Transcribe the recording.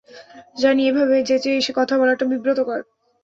জানি, এভাবে যেচে এসে কথা বলাটা বিব্রতকর!